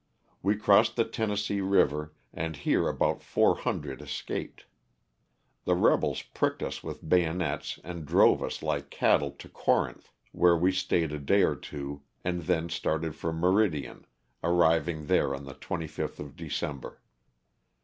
We crossed the Tennessee, river and here about 400 escaped. The rebels pricked us with bayonets and drove us like cattle to Corinth, where we stayed a day or two and then started for Meridian arriving there on the 25th of De cember.